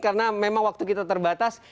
karena memang waktu kita terbatas